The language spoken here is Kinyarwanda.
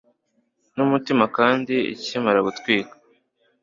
Numutima kandi ukimara gutwika